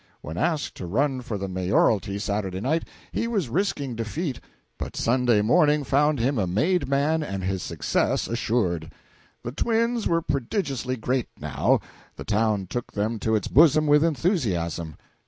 When asked to run for the mayoralty Saturday night he was risking defeat, but Sunday morning found him a made man and his success assured. The twins were prodigiously great, now; the town took them to its bosom with enthusiasm.